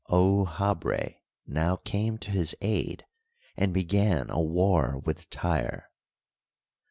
Oua habra now came to his aid and beg^n a war with Tyre.